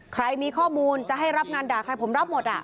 ใครมีข้อมูลจะให้รับงานด่าใครผมรับหมด